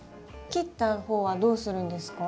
切った方はどうするんですか？